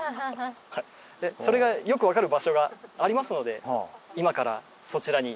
それがよく分かる場所がありますので今からそちらに行きたいと思います。